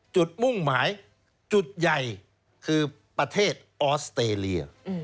มุ่งหมายจุดใหญ่คือประเทศออสเตรเลีย